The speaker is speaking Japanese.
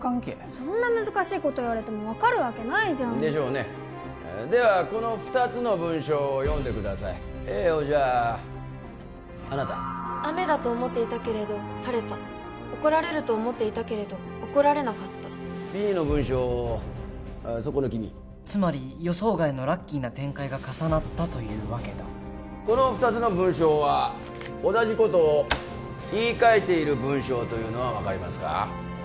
そんな難しいこと言われても分かるわけないじゃんでしょうねではこの２つの文章を読んでくださいＡをじゃああなた雨だと思っていたけれど晴れた怒られると思っていたけれど怒られなかったＢの文章をそこの君つまり予想外のラッキーな展開が重なったというわけだこの２つの文章は同じことを言い換えている文章というのは分かりますか？